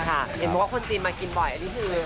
เห็นปุ๊กว่าคนจีนมากินบ่อยอันนี้ซะรึยัง